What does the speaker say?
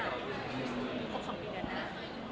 ซึ่งคุณคิดว่าเราจะคุยกับคุณโฟกัสเลยหรือเปล่า